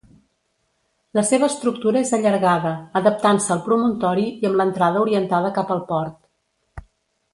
La seva estructura és allargada, adaptant-se al promontori i amb l'entrada orientada cap al port.